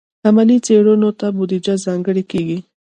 علمي څیړنو ته بودیجه ځانګړې کیږي.